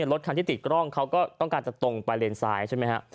รถคันที่ติดกล้องเขาก็ต้องการจะตรงไปเลนซ้ายใช่ไหมฮะ